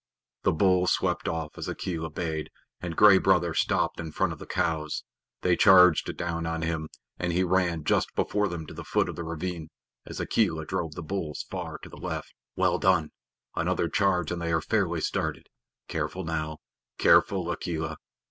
The bulls swept off as Akela bayed, and Gray Brother stopped in front of the cows. They charged down on him, and he ran just before them to the foot of the ravine, as Akela drove the bulls far to the left. "Well done! Another charge and they are fairly started. Careful, now careful, Akela.